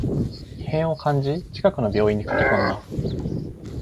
異変を感じ、近くの病院に駆けこんだ